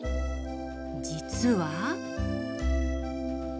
実は？